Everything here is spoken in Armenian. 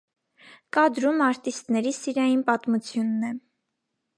Կադրում արտիստների սիրային պատմությունն է։